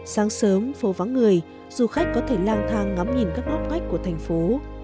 sáng sớm phố vắng người du khách có thể lang thang ngắm nhìn các góc cách của thành phố